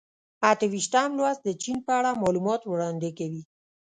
اته ویشتم لوست د چین په اړه معلومات وړاندې کوي.